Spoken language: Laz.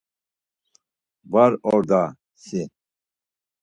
Var or daa si!